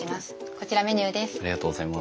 こちらメニューです。